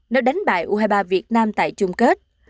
nếu đánh bại u hai mươi ba việt nam tại chung kết